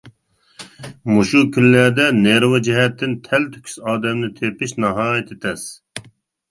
مۇشۇ كۈنلەردە نېرۋا جەھەتتىن تەلتۆكۈس ئادەمنى تېپىش ناھايىتى تەس.